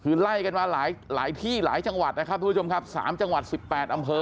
คือไล่กันมาหลายที่หลายจังหวัดนะครับทุกผู้ชมครับ๓จังหวัด๑๘อำเภอ